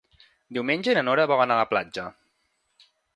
Diumenge na Nora vol anar a la platja.